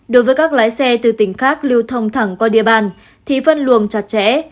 đối với các lái xe từ tỉnh khác lưu thông thẳng qua địa bàn thì phân luồng chặt chẽ